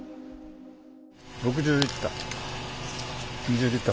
６０リッター。